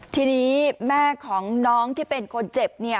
ทีนี้แม่ของน้องที่เป็นคนเจ็บเนี่ย